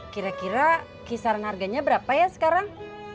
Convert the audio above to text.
kira kira kisaran harganya berapa ya sekarang